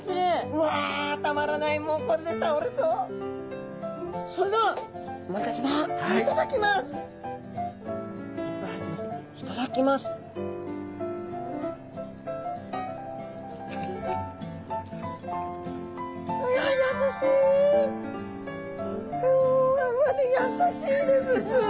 うわうわやさしいです